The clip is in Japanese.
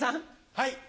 はい。